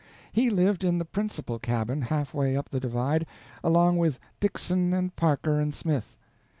He lived in the principal cabin, half way up the divide, along with Dixon and Parker and Smith.